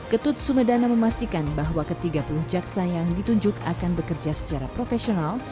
ketut sumedana memastikan bahwa ke tiga puluh jaksa yang ditunjuk akan bekerja secara profesional